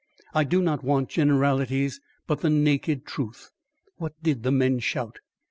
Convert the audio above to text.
I do not want generalities but the naked truth. What did the men shout?"